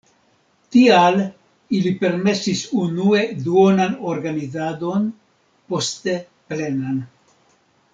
Tial ili permesis unue duonan organizadon, poste plenan.